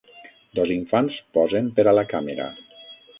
Dos infants posen per a la càmera.